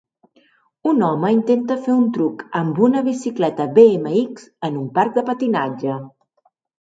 Un home intenta fer un truc amb una bicicleta BMX en un parc de patinatge.